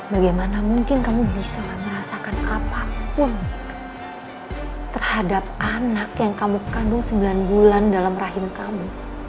bagaimana mungkin kamu bisa merasakan apapun terhadap anak yang kamu kandung sembilan bulan dalam rahim kamu